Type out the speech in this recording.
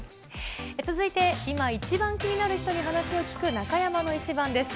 続いて、今一番気になる人に話を聞く、中山のイチバンです。